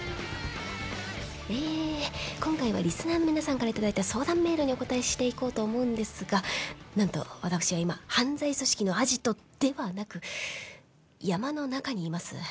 えー今回はリスナーの皆さんから頂いた相談メールにお答えしていこうと思うんですがなんと私は今犯罪組織のアジトではなく山の中にいます。